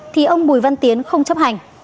thì ông bùi văn tiến không chấp hành